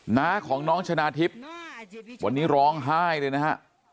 น้าของน้องชนะทิพย์วันนี้ร้องไห้เลยนะฮะ